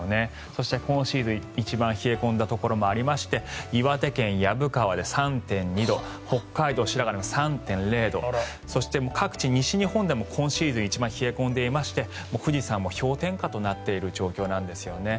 そして今シーズン一番冷え込んだところもありまして岩手県薮川で３．２度北海道白滝で３．９度各地、西日本でも今シーズン一番冷え込んでいまして富士山も氷点下となっている状況なんですね。